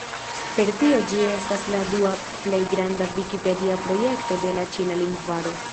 Per tio ĝi estas la dua plej granda vikipedia projekto de la ĉina lingvaro.